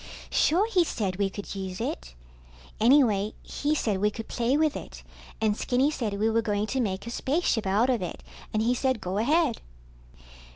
Sure he said we could use it. Anyway he said we could play with it, and Skinny said we were going to make a spaceship out of it, and he said go ahead.